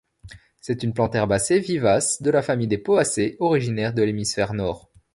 C'est une plante herbacée vivace de la famille des Poacées, originaire de l'hémisphère Nord.